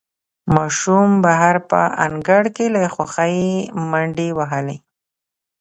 ماشوم بهر په انګړ کې له خوښۍ منډې وهلې